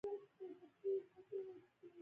انرژی په زغم پاتې کېږي.